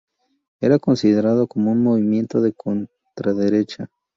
Era considerado como un movimiento de centroderecha.